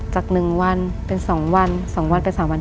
จากหนึ่งวันเป็นสองวันสองวันเป็นสามวัน